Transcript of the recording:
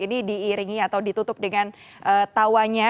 ini diiringi atau ditutup dengan tawanya